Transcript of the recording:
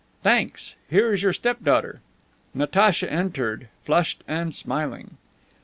"Thanks. Here is your step daughter." Natacha entered, flushed and smiling.